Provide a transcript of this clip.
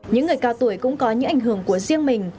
những người cao tuổi cũng có những ảnh hưởng của riêng mình